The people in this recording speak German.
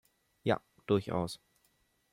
Ja, durchaus.